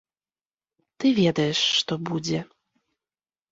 Ты ведаеш, што будзе.